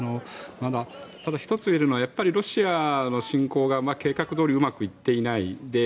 ただ１つ言えるのはやっぱりロシアの侵攻が計画どおりうまくいっていない。